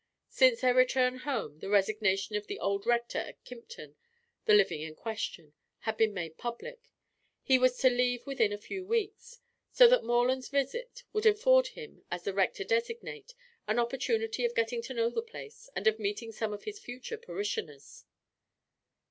Since their return home the resignation of the old Rector at Kympton, the living in question, had been made public. He was to leave within a few weeks; so that Morland's visit would afford him, as the rector designate, an opportunity of getting to know the place and of meeting some of his future parishioners.